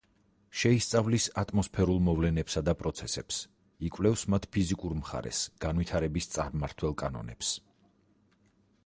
შეისწავლის ატმოსფერულ მოვლენებსა და პროცესებს, იკვლევს მათს ფიზიკურ მხარეს განვითარების წარმმართველ კანონებს.